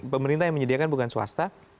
pemerintah yang menyediakan bukan swasta